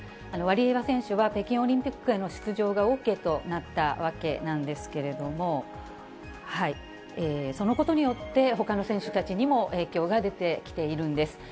ワリエワ選手は北京オリンピックへの出場がＯＫとなったわけなんですけれども、そのことによって、ほかの選手たちにも影響が出てきているんです。